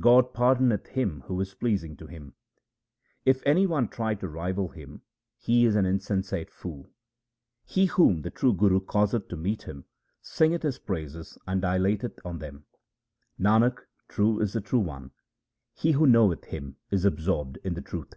God pardoneth him who is pleasing to Him. If any one try to rival Him he is an insensate fool. He whom the true Guru causeth to meet Him, singeth His praises and dilateth on them. Nanak, true is the True One ; he who knoweth Him is absorbed in the truth.